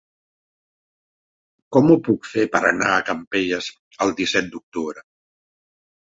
Com ho puc fer per anar a Campelles el disset d'octubre?